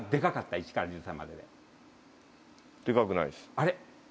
あれ？